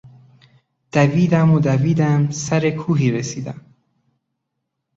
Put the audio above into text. دویدم و دویدم سرکوهی رسیدم....